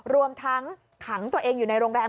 รวมทั้งขังตัวเองอยู่ในโรงแรม